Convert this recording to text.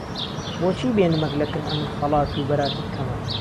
بۆچی بێ نمهک له کن ئەمن خهڵات و بهراتت کهمه